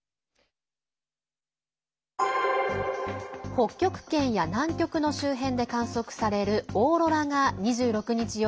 北極圏や南極の周辺で観測されるオーロラが２６日夜